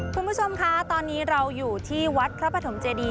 คุณผู้ชมคะตอนนี้เราอยู่ที่วัดพระปฐมเจดี